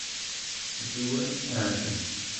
Jewel Raja